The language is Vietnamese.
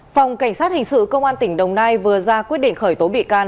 phòng cảnh sát hình sự công an tỉnh đồng nai vừa ra quyết định khởi tố bị can